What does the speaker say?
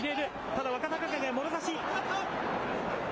ただ若隆景はもろ差し。